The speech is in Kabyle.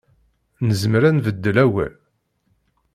Nezmer ad nbeddel awal?